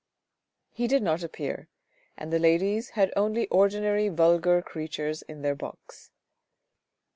He did not appear, and the ladies had only ordinary vulgar creatures in their box.